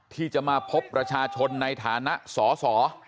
ที่จะมาพบประชาชนในฐานะสอสอ